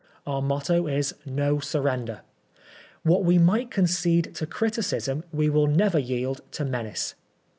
Our motto is No Surrender. What we might concede to criticism we will never yield to menace.